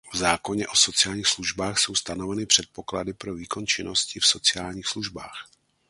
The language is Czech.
V zákoně o sociálních službách jsou stanoveny předpoklady pro výkon činnosti v sociálních službách.